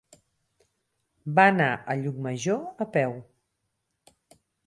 Va anar a Llucmajor a peu.